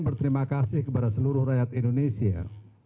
berterima kasih kepada seluruh rakyat indonesia